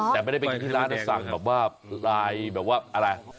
แต่ไม่ได้ไปกินที่ร้านแต่สั่งแบบว่าลายแบบว่าอะไร